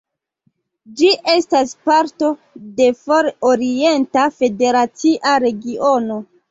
Ĝi estas parto de For-orienta federacia regiono.